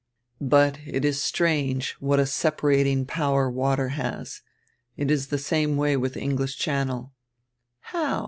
"But it is strange what a separating power water has. It is the same way with die English Channel." "How?"